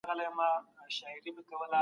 د کورنۍ مشر باید مهربان وي.